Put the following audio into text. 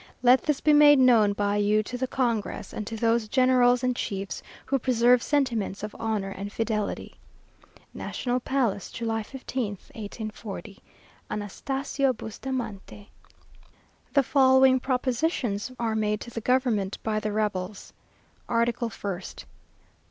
Let this be made known by you to the Congress, and to those generals and chiefs who preserve sentiments of honour and fidelity. "National Palace, July 15th, 1840. "Anastasio Bustamante." The following propositions are made to the government by the rebels: "Article 1st.